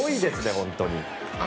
本当に。